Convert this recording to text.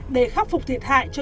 để khắc phục thiệt hại cho